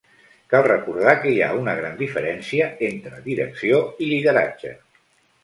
Cal recordar que hi ha una gran diferència entre direcció i lideratge.